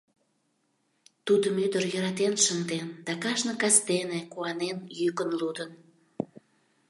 Тудым ӱдыр йӧратен шынден да кажне кастене куанен йӱкын лудын.